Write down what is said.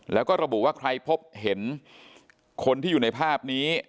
แล้วก็ระบุว่าใครพบเห็นคนที่อยู่ในภาพนี้